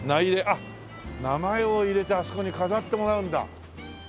あっ名前を入れてあそこに飾ってもらうんだ。